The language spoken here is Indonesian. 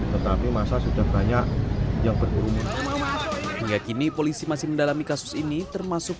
tetapi masa sudah banyak yang berkerumun hingga kini polisi masih mendalami kasus ini termasuk